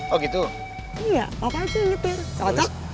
oh gitu iya papa aja yang jepit